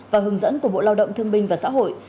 và hướng dẫn của bộ lao động thương binh và xã hội